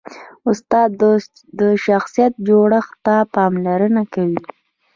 استاد د شخصیت جوړښت ته پاملرنه کوي.